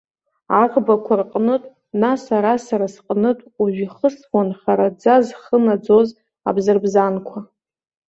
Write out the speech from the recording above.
Аӷбақәа рҟнытә, нас ара сара сҟнытә уажә ихысуан хараӡа зхы наӡоз абзырбзанқәа.